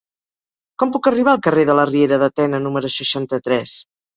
Com puc arribar al carrer de la Riera de Tena número seixanta-tres?